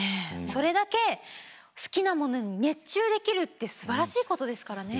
それだけ好きなものに熱中できるってすばらしいことですからね。